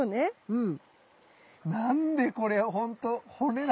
うん。